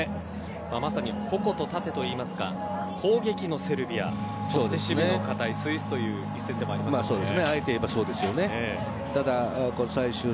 まさに矛と盾といいますか攻撃のセルビア守備の堅いスイスという一戦でもあります。